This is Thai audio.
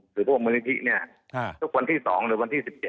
หรือพวกมือพิธีเนี่ยทุกวันที่๒หรือวันที่๑๗เนี่ย